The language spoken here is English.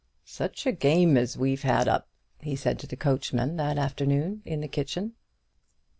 "Such a game as we've had up!" he said to the coachman that afternoon in the kitchen.